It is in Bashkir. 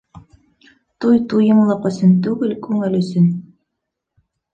Туй туйымлыҡ өсөн түгел, күңел өсөн.